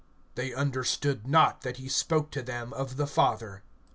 (27)They understood not that he spoke to them of the Father.